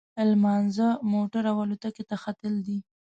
لمانځه، موټر او الوتکې ته ختل دي.